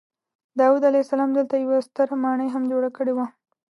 داود علیه السلام دلته یوه ستره ماڼۍ هم جوړه کړې وه.